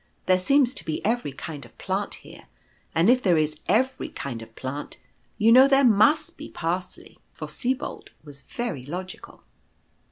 " There seems to be every kind of plant here ; and if there is every kind of plant, you know there must be Parsley/' For Sibold was very logical.